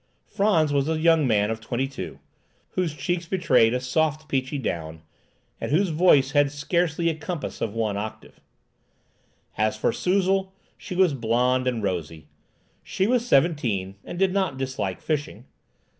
Frantz was a young man of twenty two, whose cheeks betrayed a soft, peachy down, and whose voice had scarcely a compass of one octave. As for Suzel, she was blonde and rosy. She was seventeen, and did not dislike fishing.